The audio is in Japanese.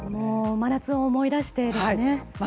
真夏を思い出してですね。